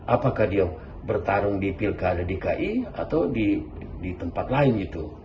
apakah dia bertarung di pilkada dki atau di tempat lain gitu